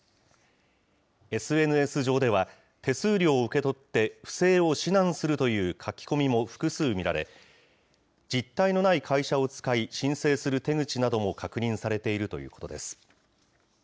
ＳＮＳ上では、手数料を受け取って不正を指南するという書き込みも複数見られ、実態のない会社を使い、申請する手口なども確認されているということです。